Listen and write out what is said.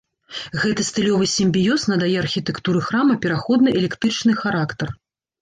Гэты стылёвы сімбіёз надае архітэктуры храма пераходны эклектычны характар.